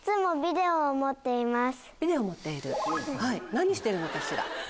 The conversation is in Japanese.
何してるのかしら？